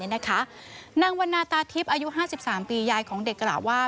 นางวันนาตาทิพย์อายุ๕๓ปียายของเด็กกล่าวว่า